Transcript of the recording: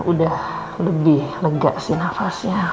udah lebih lega sih nafasnya